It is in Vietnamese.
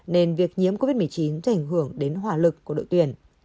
nên việc nhiễm covid một mươi chín sẽ ảnh hưởng đến hỏa lực của đội tuyển